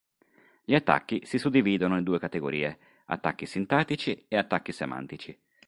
Gli attacchi si suddividono in due categorie, Attacchi Sintattici e Attacchi Semantici.